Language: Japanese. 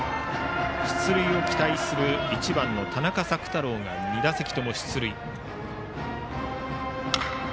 出塁を期待する１番の田中朔太郎が２打席とも出塁。